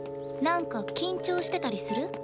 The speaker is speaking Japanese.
なんか緊張してたりする？